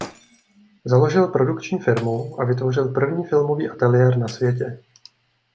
Založil produkční firmu a vytvořil první filmový ateliér na světě.